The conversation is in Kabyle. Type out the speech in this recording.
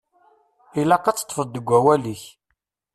Ilaq ad teṭṭfeḍ deg wawal-ik.